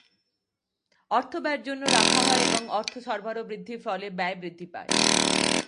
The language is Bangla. অর্থ ব্যয়ের জন্য রাখা হয়, এবং অর্থ সরবরাহ বৃদ্ধির ফলে ব্যয় বৃদ্ধি পায়।